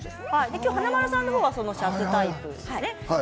今日、華丸さんはシャツタイプです。